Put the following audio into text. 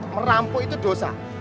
merampok itu dosa